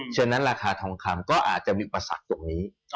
ฉะนั้นราคาทองคำก็อาจจะมีอุปสรรคตรงนี้